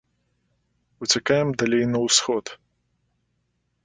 Уцякаем далей на ўсход.